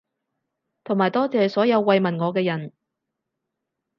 同埋多謝所有慰問我嘅人